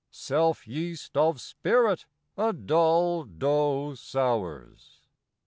Selfyeast of spirit a dull dough sours.